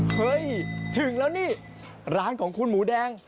เฮ้ยถึงแล้วนี่ร้านของคุณหมูแดง